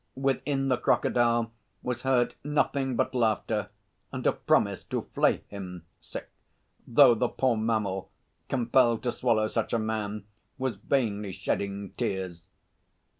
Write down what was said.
Within the crocodile was heard nothing but laughter and a promise to flay him, though the poor mammal, compelled to swallow such a mass, was vainly shedding tears.